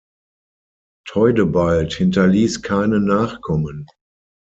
Theudebald hinterließ keine Nachkommen.